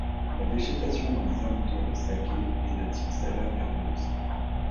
La végétation dans les alentours de Sake est de type savane herbeuse.